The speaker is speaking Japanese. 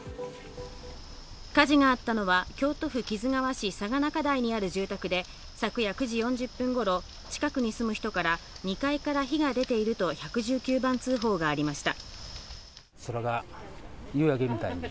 火事があったのは京都府木津川市相楽台にある住宅で、昨夜９時４０分頃、近くに住む人から２階から火が出ていると１１９番通報がありました。